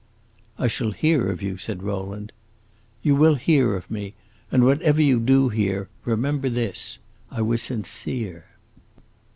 "I shall hear of you," said Rowland. "You will hear of me. And whatever you do hear, remember this: I was sincere!"